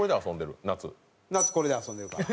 夏これで遊んでるから。